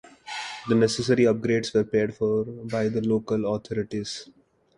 The necessary upgrades were paid for by the local authorities.